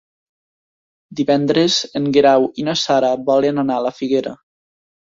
Divendres en Guerau i na Sara volen anar a la Figuera.